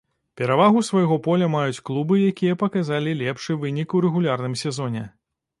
Перавагу свайго поля маюць клубы, якія паказалі лепшы вынік у рэгулярным сезоне.